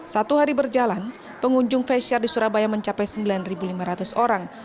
satu hari berjalan pengunjung face share di surabaya mencapai sembilan lima ratus orang